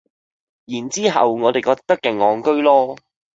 然之後我哋覺得勁戇居囉